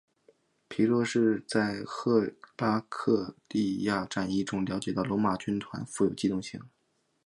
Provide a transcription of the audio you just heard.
皮洛士在赫拉克利亚战役中了解到罗马军团富有机动性。